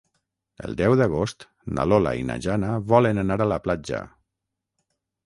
El deu d'agost na Lola i na Jana volen anar a la platja.